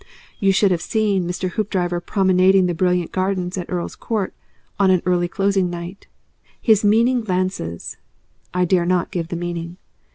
You should have seen Mr. Hoopdriver promenading the brilliant gardens at Earl's Court on an early closing night. His meaning glances! (I dare not give the meaning.)